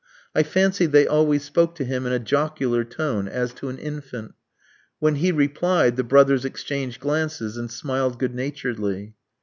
I fancied they always spoke to him in a jocular tone, as to an infant. When he replied, the brothers exchanged glances, and smiled good naturedly.